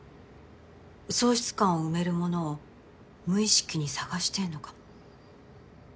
喪失感を埋めるものを無意識にさがしてんのかも。